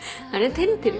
照れてる？